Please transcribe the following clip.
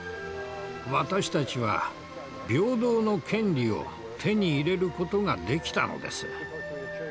私たちは平等の権利を手に入れることができたのです。